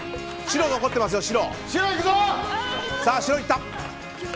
白、いった！